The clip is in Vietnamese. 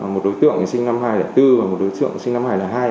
một đối tượng sinh năm hai nghìn bốn và một đối tượng sinh năm hai nghìn hai